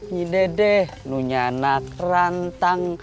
nyi dedeh nu nyanak rantang